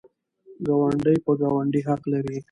ګاونډی په ګاونډي حق لري.